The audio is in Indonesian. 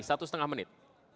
satu setengah menit